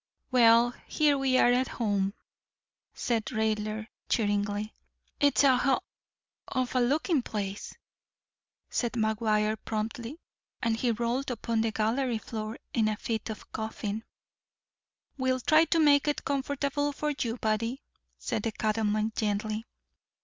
"Well, here we are at home," said Raidler, cheeringly. "It's a h—l of a looking place," said McGuire promptly, as he rolled upon the gallery floor in a fit of coughing. "We'll try to make it comfortable for you, buddy," said the cattleman gently.